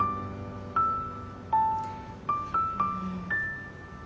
うん。